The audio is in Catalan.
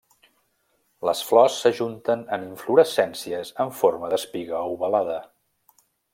Les flors s'ajunten en inflorescències en forma d'espiga ovalada.